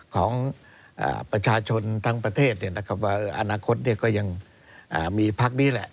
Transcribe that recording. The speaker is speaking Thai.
ของประชาชนทั้งประเทศว่าอนาคตก็ยังมีพักนี้แหละ